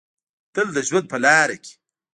تل د ژوند په لاره کې